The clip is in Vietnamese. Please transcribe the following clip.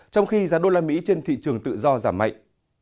trong khi giá đô la mỹ trên thị trường tự do giảm mạnh